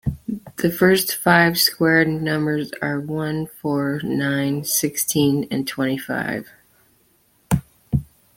The first five square numbers are one, four, nine, sixteen and twenty-five